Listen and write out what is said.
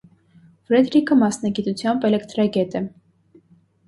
Ֆրեդերիկը մասնագիտությամբ էլեկտրագետ էր։